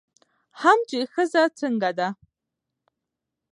هم چې ښځه څنګه ده